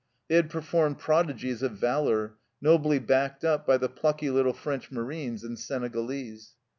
They had performed prodigies of valour, nobly backed up by the plucky little French marines and Senegalese.